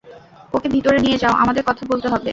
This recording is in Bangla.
ওকে ভিতরে নিয়ে যাও, আমাদের কথা বলতে হবে।